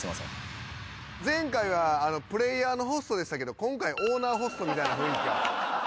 前回はプレイヤーのホストでしたけど今回オーナーホストみたいな雰囲気が。